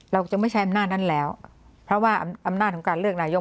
เราจะไม่ใช้อำนาจนั้นแล้วเพราะว่าอำนาจของการเลือกนายก